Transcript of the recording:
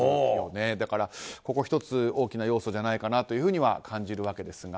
だから、ここは１つ大きな要素じゃないかなというふうには感じるわけですが。